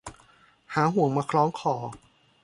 หาห่วงมาคล้องคอ